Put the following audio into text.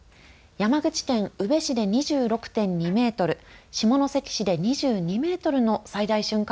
山口県宇部市で２６．２メートル、下関市で２２メートルの最大瞬間